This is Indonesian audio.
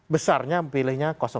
besarnya pilihnya satu